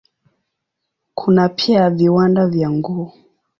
Kuna pia viwanda vya nguo.